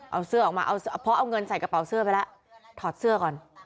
เอาเสื้อออกมาเอาเพราะเอาเงินใส่กระเป๋าเสื้อไปแล้วถอดเสื้อก่อน